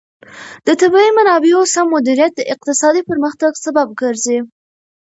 د طبیعي منابعو سم مدیریت د اقتصادي پرمختګ سبب ګرځي.